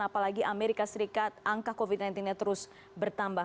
apalagi amerika serikat angka covid sembilan belas nya terus bertambah